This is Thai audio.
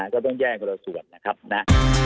ก็ต้องแย่งคนละส่วนนะครับนะ